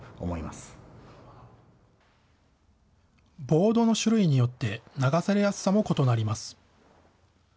ボードの種類によって、流されやすさも異なります。